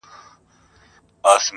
چي پر دي دي او که خپل خوبونه ویني٫